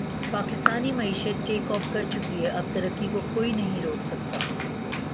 پاکستانی معشیت take off کرچکی ھے اب ترقی کو کوئی نہیں روک سکتا